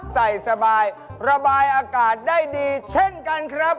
ใส่สบายระบายอากาศได้ดีเช่นกันครับ